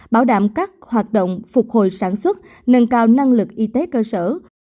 bảo đảm các hoạt động phục hồi sản xuất nâng cao năng lực y tế cơ sở